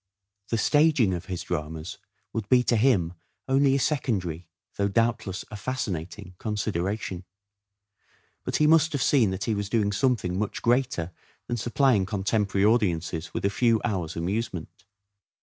The staging of his dramas would be to him only a secondary, though doubtless a fascinating consideration ; but he must have seen that he was doing something much greater than supplying con temporary audiences with a few hours' amusement.